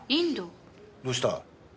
どうした？